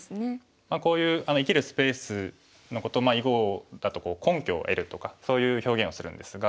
こういう生きるスペースのことを囲碁だと「根拠を得る」とかそういう表現をするんですが。